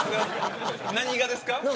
何がですか。